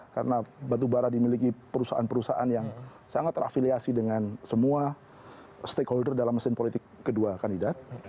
karena batubara dimiliki perusahaan perusahaan yang sangat terafiliasi dengan semua stakeholder dalam mesin politik kedua kandidat